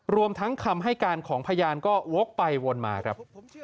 รวมทั้งคำให้การของพยานก็วกไปวนมาครับ